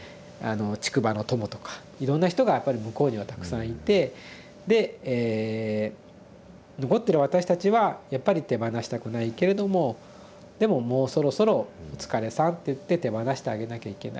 竹馬の友とかいろんな人がやっぱり向こうにはたくさんいてでえ残ってる私たちはやっぱり手放したくないけれどもでももうそろそろ「お疲れさん」っていって手放してあげなきゃいけない。